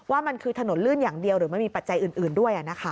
ว่ามันคือถนนลื่นอย่างเดียวหรือมันมีปัจจัยอื่นด้วย